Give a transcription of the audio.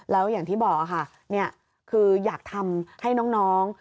แล้วอย่างที่บอกค่ะคืออยากทำให้น้อง